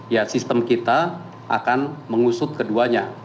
ya sistem kita akan mengusut keduanya